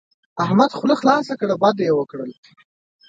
احمد خوله خلاصه کړه؛ بد يې وکړل.